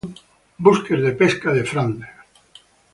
Buques de guerra de Francia.